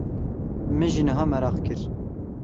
Min jî niha meraq kir.